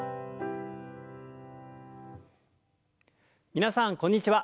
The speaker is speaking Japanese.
皆さんこんにちは。